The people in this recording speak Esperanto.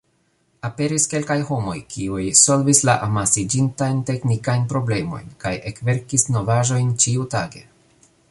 Aperis kelkaj homoj, kiuj solvis la amasiĝintajn teknikajn problemojn kaj ekverkis novaĵojn ĉiutage.